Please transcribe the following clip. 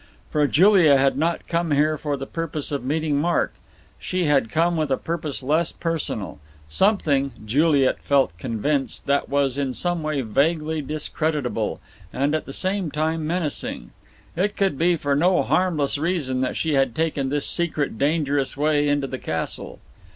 For Julia had not come here for the purpose of meeting Mark. She had come with a purpose less personal: something, Juliet felt convinced, that was in some way vaguely discreditable, and at the same time menacing. It could be for no harmless reason that she had taken this secret, dangerous way into the castle.